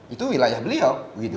itu wilayah beliau